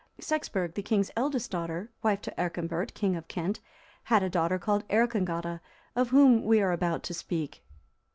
Sexburg,(337) that king's elder daughter, wife to Earconbert, king of Kent, had a daughter called Earcongota,(338) of whom we are about to speak.